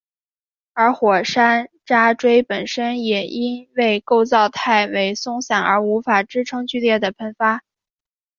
而火山渣锥本身也因为构造太为松散而无法支撑剧烈的喷发。